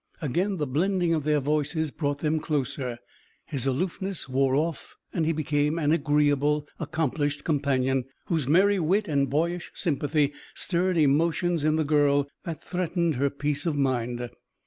Again the blending of their voices brought them closer, his aloofness wore off, and he became an agreeable, accomplished companion whose merry wit and boyish sympathy stirred emotions in the girl that threatened her peace of mind.